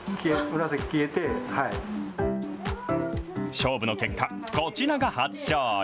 勝負の結果、こちらが初勝利。